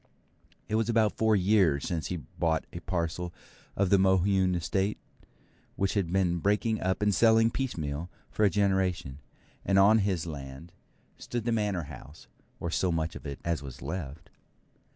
It was about four years since he bought a parcel of the Mohune Estate, which had been breaking up and selling piecemeal for a generation; and on his land stood the Manor House, or so much of it as was left.